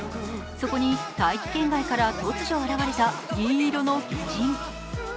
そこに大気圏外から突如現れた銀色の巨人。